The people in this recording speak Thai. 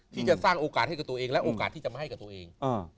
ที่จะสร้างโอกาสให้กับตัวเองและโอกาสที่จะมาให้กับตัวเอง